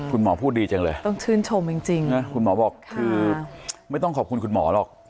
คุณหมอพูดดีจังเลยคุณหมอบอกคือไม่ต้องขอบคุณคุณหมอหรอก